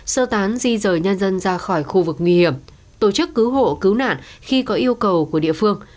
sơ tán di rời nhân dân ra khỏi khu vực nguy hiểm tổ chức cứu hộ cứu nạn khi có yêu cầu của địa phương